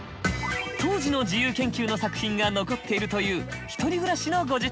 当時の自由研究の作品が残っているという１人暮らしのご自宅へ。